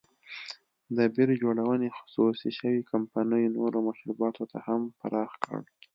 د بیر جوړونې خصوصي شوې کمپنۍ نورو مشروباتو ته هم پراخ کړ.